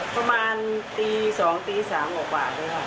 ประมาณตี๒๓หกบาทเลยค่ะ